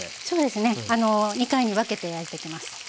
そうですね２回に分けて焼いていきます。